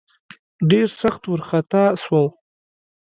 ډېر سخت وارخطا سو.